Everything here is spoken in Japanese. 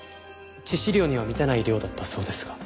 致死量には満たない量だったそうですが。